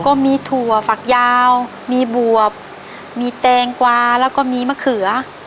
ก็มีถั่วฝักยาวมีบวบมีแตงกวาแล้วก็มีมะเขือ